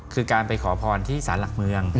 คือการไปขอพรที่สารหลักเมือง